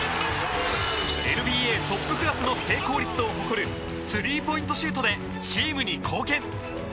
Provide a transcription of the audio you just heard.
ＮＢＡトップクラスの成功率を誇るスリーポイントシュートでチームに貢献。